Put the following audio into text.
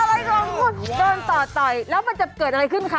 อะไรของคุณโดนต่อต่อยแล้วมันจะเกิดอะไรขึ้นคะ